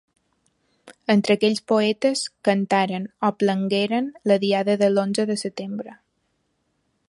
Entre aquells poetes, cantaren, o plangueren, la Diada de l’onze de setembre.